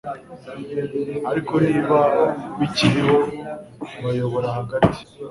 ariko niba bikiriho bayobora hagati